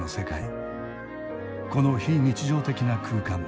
この非日常的な空間